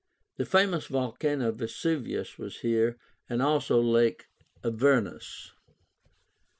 The famous volcano of Vesuvius was here, and also Lake Avernus.